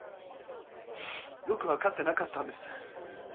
よく分かってなかったんです。